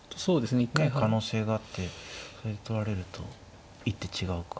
ねえ可能性があってそれ取られると一手違うか。